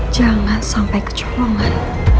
jangan sampai kecerwongan